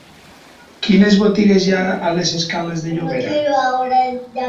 Quines botigues hi ha a la escales de Llobera?